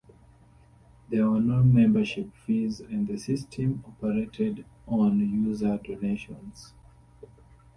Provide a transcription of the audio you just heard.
There were no membership fees and the system operated on user donations.